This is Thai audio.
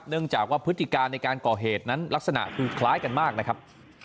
เนื่องจากว่าพฤติการในการก่อเหตุนั้นลักษณะคือคล้ายกันมากนะครับ